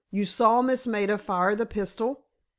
You saw Miss Maida fire the pistol?"